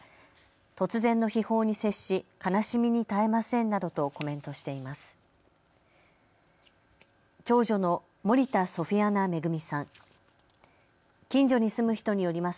突然の悲報に接し悲しみに耐えませんなどとコメントしています。